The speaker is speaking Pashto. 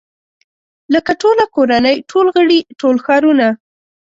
لکه ټوله کورنۍ ټول غړي ټول ښارونه.